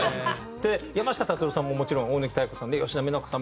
で山下達郎さんももちろん大貫妙子さん吉田美奈子さん